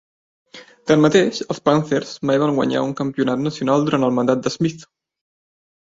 Tanmateix, els Panthers mai van guanyar un campionat nacional durant el mandat de Smith.